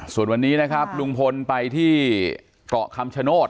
ส่วนวันนี้นะครับลุงพลไปที่เกาะคำชโนธ